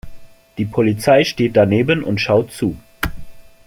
Die Polizei steht daneben und schaut zu.